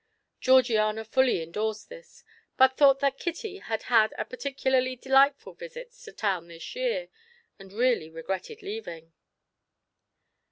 Georgiana fully endorsed this, but thought that Kitty had had a particularly delightful visit to town this year and really regretted leaving.